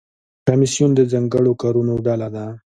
کمیسیون د ځانګړو کارونو ډله ده